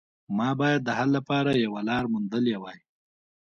ما باید د حل لپاره یوه لاره موندلې وای